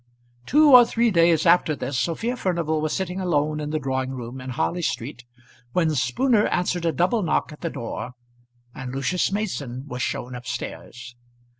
Two or three days after this Sophia Furnival was sitting alone in the drawing room in Harley Street, when Spooner answered a double knock at the door, and Lucius Mason was shown up stairs.